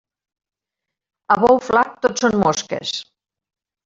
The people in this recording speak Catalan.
A bou flac tot són mosques.